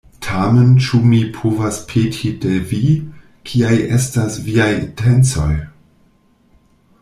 Tamen ĉu mi povas peti de vi, kiaj estas viaj intencoj?